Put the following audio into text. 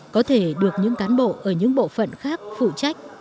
có thể được những cán bộ ở những bộ phận khác phụ trách